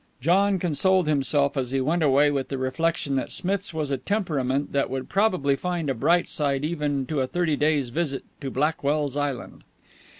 John consoled himself as he went away with the reflection that Smith's was a temperament that would probably find a bright side even to a thirty days' visit to Blackwell's Island.